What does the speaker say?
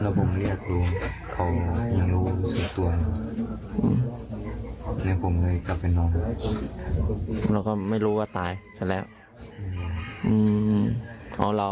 แล้วผมเรียกว่าเขาไม่รู้ว่าจะถึงขั้นเสียชีวิตนึกว่าจะถึงขั้นเสียชีวิต